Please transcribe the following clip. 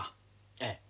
ええ。